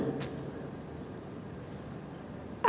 ketika beliau mulai berjuang di jawa barat terutama di kota bandung